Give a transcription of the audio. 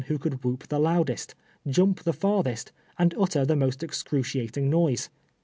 :^Vlio could whoop the loudest, jump the far thest, and utter the most excruciating noise.